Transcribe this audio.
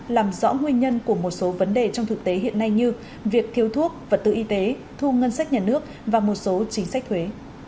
làm rõ nguyên nhân của một số vấn đề trong thực tế hiện nay như việc thiếu thuốc vật tư y tế thu ngân sách nhà nước và một số chính sách thuế